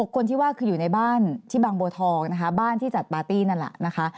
๖คนที่ว่าคืออยู่ในบ้านที่บังโบทองบ้านที่จัดปาร์ตี้นั่นแหละ